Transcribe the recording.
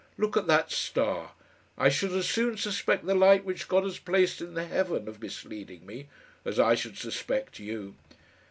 Look at that star. I should as soon suspect the light which God has placed in the heaven of misleading me, as I should suspect you."